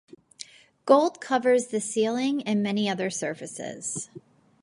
Gold covers the ceiling and many other surfaces.